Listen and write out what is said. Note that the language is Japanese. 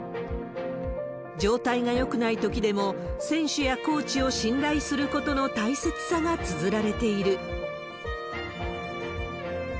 状態がよくないときでも、選手やコーチを信頼することの大切さがつづられている。